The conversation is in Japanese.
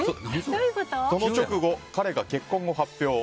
その直後、彼が結婚を発表。